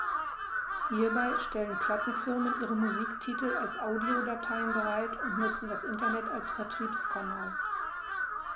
Hierbei stellen Plattenfirmen ihre Musiktitel als Audiodateien bereit und nutzen das Internet als Vertriebskanal.